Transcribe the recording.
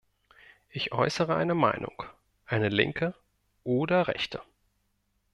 Ich äußere eine Meinung, eine linke oder rechte.